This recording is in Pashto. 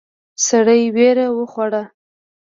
سړی وېره وخوړه.